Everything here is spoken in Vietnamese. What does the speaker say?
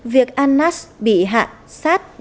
việc anas bị hạ sát